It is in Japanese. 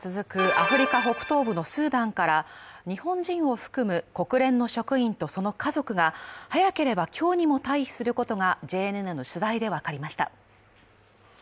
アフリカ北東部スーダンから日本人を含む国連の職員とその家族が早ければ今日にも退避することがＪＮＮの取材で分かりました。